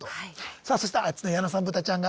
さあそしてあっちの矢野さんブタちゃんが。